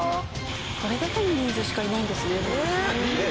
これだけの人数しかいないんですねでも。